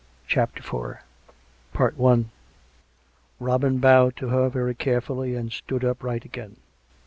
CHAPTER IV I Robin bowed to her very carefully, and stood upright again.